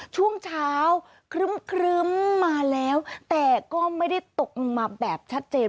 ช่วงเช้าครึ้มมาแล้วแต่ก็ไม่ได้ตกลงมาแบบชัดเจน